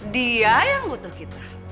dia yang butuh kita